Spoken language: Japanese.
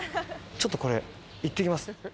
ちょっとこれいってきます。